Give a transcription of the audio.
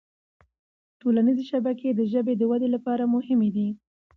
ټولنیزې شبکې د ژبې د ودې لپاره مهمي دي